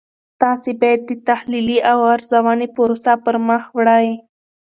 تاسې باید د تحلیلي او ارزونې پروسه پرمخ وړئ.